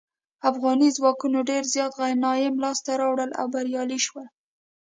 افغاني ځواکونو ډیر زیات غنایم لاسته راوړل او بریالي شول.